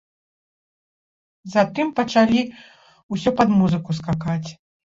Затым пачалі ўсе пад музыку скакаць.